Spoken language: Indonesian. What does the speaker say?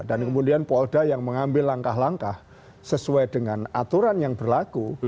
dan kemudian polda yang mengambil langkah langkah sesuai dengan aturan yang berlaku